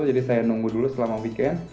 jadi saya nunggu dulu selama weekend